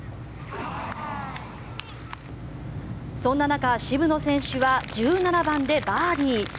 そんな中、渋野選手は１７番でバーディー。